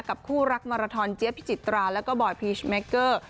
คู่รักมาราทอนเจี๊ยพิจิตราแล้วก็บอยพีชเมคเกอร์